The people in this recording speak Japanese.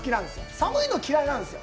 寒いの嫌いなんですよ。